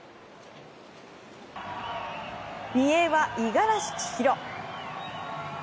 ２泳は五十嵐千尋。